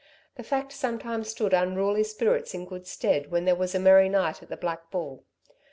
The fact sometimes stood unruly spirits in good stead when there was a merry night at the Black Bull.